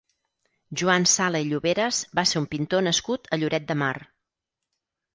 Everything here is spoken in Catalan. Joan Sala i Lloberas va ser un pintor nascut a Lloret de Mar.